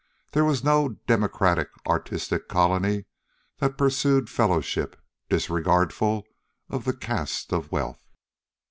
There was no democratic artist colony that pursued fellowship disregardful of the caste of wealth.